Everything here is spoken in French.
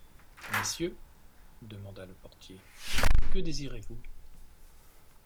Messieurs, demanda le portier, que désirez-vous?